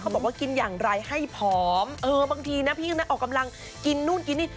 บอกว่ากินอย่างไรให้ผอมเออบางทีนะพี่กำลังออกกำลังกินนู่นกินนี่